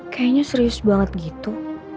kayaknya serius banget gitu